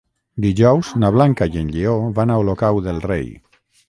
Dijous na Blanca i en Lleó van a Olocau del Rei.